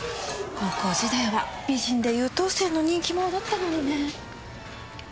高校時代は美人で優等生の人気者だったのにね。